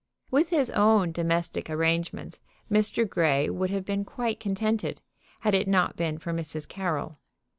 With his own domestic arrangements Mr. Grey would have been quite contented, had it not been for Mrs. Carroll.